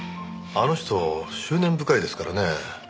あの人執念深いですからね。